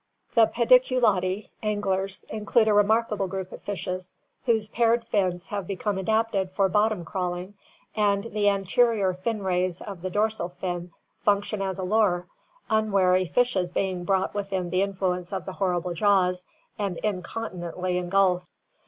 The Pediculati (anglers) include a remarkable group of fishes whose paired fins have become adapted for bottom crawling, and the anterior fin rays of the dorsal fin function as a lure, unwary fishes being brought within the influence of the horrible jaws and incontinently engulfed.